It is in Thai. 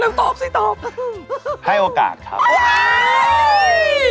ไม่ใช่ป้าตอนนี้ใช่แทนเอาเร็วตอบสิตอบ